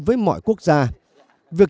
vì vậy năm quốc gia nordic